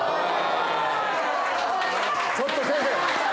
ちょっと先生。